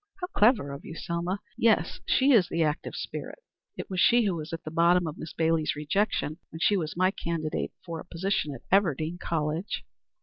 How clever of you, Selma! Yes, she is the active spirit." "It was she who was at the bottom of Miss Bailey's rejection when she was my candidate for a position at Everdean College."